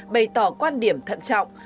bày tỏ quan điểm thận trọng